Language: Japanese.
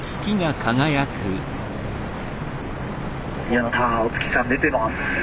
やったお月さん出てます。